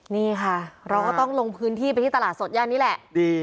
นี่ค่ะเราก็ต้องลงพื้นที่ไปที่ตลาดสดย่านนี้แหละดี